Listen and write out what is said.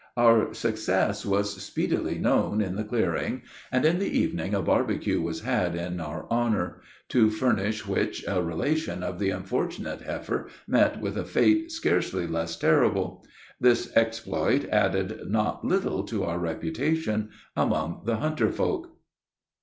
Our success was speedily known in the clearing, and in the evening a barbecue was had in oar honor, to furnish which a relation of the unfortunate heifer met with a fate scarcely less terrible. This exploit added not little to our reputation among the hunter folk.